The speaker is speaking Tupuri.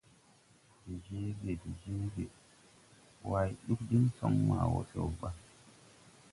De jeege, jeege Way: Ɗug diŋ soŋre ma wo se wo ɓa?